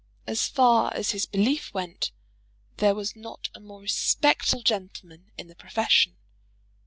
As far as his belief went, there was not a more respectable gentleman in the profession.